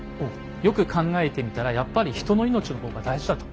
よく考えてみたらやっぱり人の命の方が大事だと。